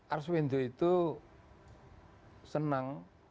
arswendo itu senang